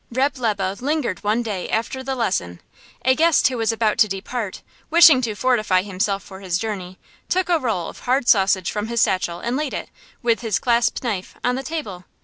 Reb' Lebe lingered one day after the lesson. A guest who was about to depart, wishing to fortify himself for his journey, took a roll of hard sausage from his satchel and laid it, with his clasp knife, on the table.